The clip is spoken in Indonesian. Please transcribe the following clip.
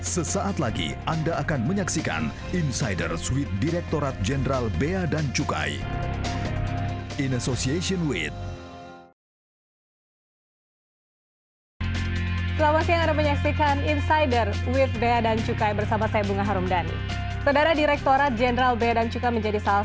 sesaat lagi anda akan menyaksikan insiders with direktorat jenderal bea dan cukai